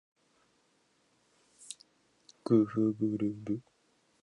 ｇｆｖｒｖ